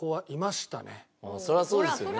そりゃそうですよね。